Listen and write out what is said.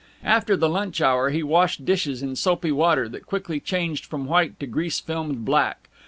After the lunch hour he washed dishes in soapy water that quickly changed from white to grease filmed black.